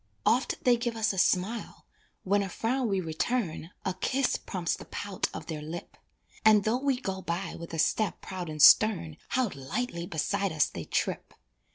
Oft they give us a smile, when a frown we return A kiss prompts the pout of their lip, And though we go by with a step proud and stern, How lightly beside us they trip!